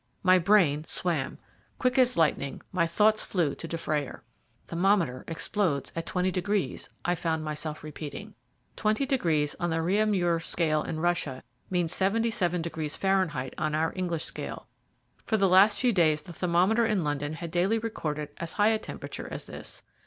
My brain swam. Quick as lightning my thoughts flew to Dufrayer. "Thermometer explodes at twenty degrees," I found myself repeating. Twenty degrees on the Réaumur scale in Russia means seventy seven degrees Fahrenheit on our English scale. For the last few days the thermometer in London had daily recorded as high a temperature as this.